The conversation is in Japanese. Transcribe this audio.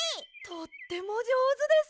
とってもじょうずです。